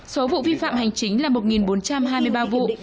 số vụ vi phạm hành chính là một bốn trăm hai mươi ba vụ